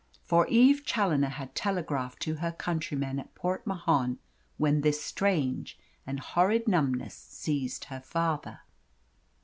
For Eve Challoner had telegraphed to her countrymen at Port Mahon when this strange and horrid numbness seized her father.